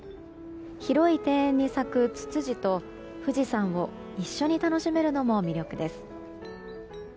広い庭園に咲くツツジと富士山を一緒に楽しめるのも魅力です。